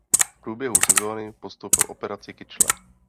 V průběhu sezony podstoupil operaci kyčle.